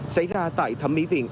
xảy ra tại thẩm mỹ viện